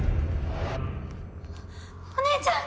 お姉ちゃん！